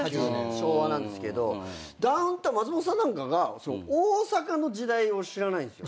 昭和なんですけどダウンタウン松本さんなんかが大阪の時代を知らないんですよ。